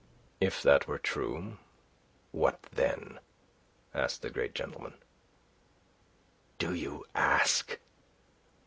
"If that were true what, then?" asked the great gentleman. "Do you ask?